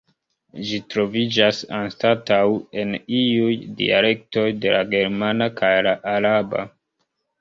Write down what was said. Ĝi troviĝas anstataŭ en iuj dialektoj de la germana kaj la araba.